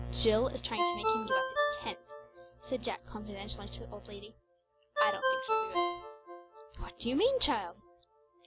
"Jill is trying to make him give up his tenth," said Jack confidentially to the old lady. "I don't think she'll do it." "What do you mean, child?"